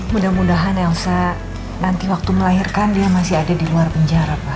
mudah mudahan yang saya nanti waktu melahirkan dia masih ada di luar penjara pak